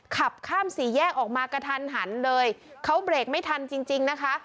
ขับข้ามสี่แยกออกมากระทันหันเลยเขาเบรกไม่ทันจริงจริงนะคะ